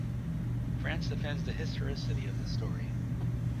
France defends the historicity of this story.